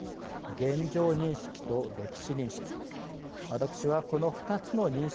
現状認識と歴史認識。